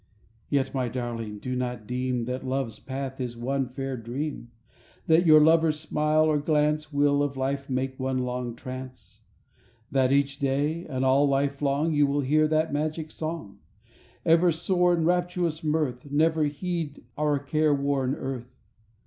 ... Yet, my darling, do not deem That love's path is one fair dream, That your lover's smile or glance Will of life make one long trance, [ 61 ] SONGS AND DREAMS That each day, and all life long You will hear that magic song, Ever soar in rapturous mirth, Never heed our care worn earth.